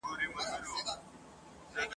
چي خالق یو پیدا کړي پر کهاله د انسانانو !.